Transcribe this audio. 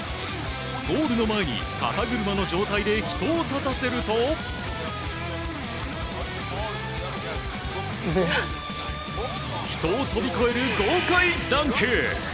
ゴールの前に肩車の状態で人を立たせると人を飛び越える豪快ダンク！